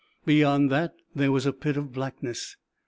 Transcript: Beyond that there was a pit of blackness.